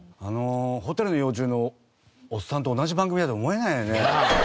あのホタルの幼虫のおっさんと同じ番組だと思えないよね。